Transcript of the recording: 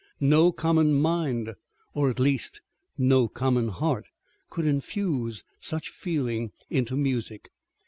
No common mind, or at least no common heart, could infuse such feeling into music.